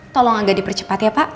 tolong agak dipercepat ya pak